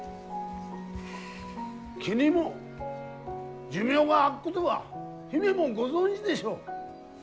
木にも寿命があっこどは姫もご存じでしょう？